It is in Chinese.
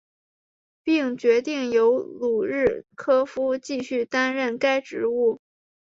并决定由卢日科夫继续担任该职务。